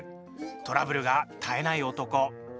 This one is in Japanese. トラブルが絶えない男。